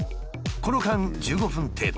この間１５分程度。